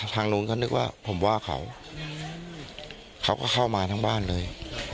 ทางนู้นก็นึกว่าผมว่าเขาเขาก็เข้ามาทั้งบ้านเลย